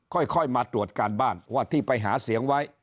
ค่อยมาตรวจการบ้านว่าที่ไปหาเสียงไว้